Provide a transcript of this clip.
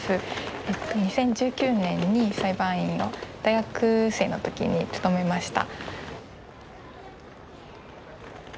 ２０１９年に裁判員を大学生の時に務めました。